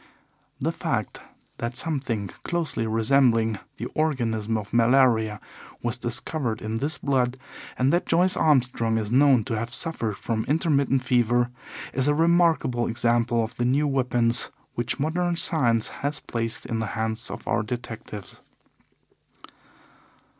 The fact that something closely resembling the organism of malaria was discovered in this blood, and that Joyce Armstrong is known to have suffered from intermittent fever, is a remarkable example of the new weapons which modern science has placed in the hands of our detectives.